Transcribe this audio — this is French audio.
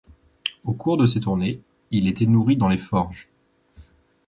Au cours de ses tournées, il était nourri dans les forges.